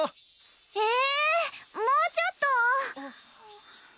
えもうちょっと